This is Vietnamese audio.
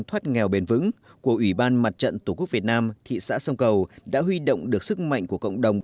thoát nghèo bền vững của ủy ban mặt trận tổ quốc việt nam thị xã sông cầu đã huy động được sức mạnh của cộng đồng